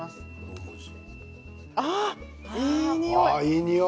いいにおい。